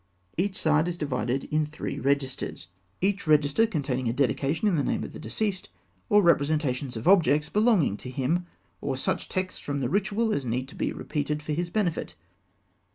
Each side is divided in three registers, each register containing a dedication in the name of the deceased, or representations of objects belonging to him, or such texts from the Ritual as need to be repeated for his benefit.